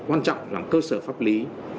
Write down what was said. quan trọng là cơ sở pháp lý